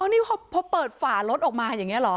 นี่พอเปิดฝารถออกมาอย่างนี้เหรอ